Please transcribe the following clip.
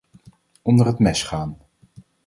Onder het mes gaan.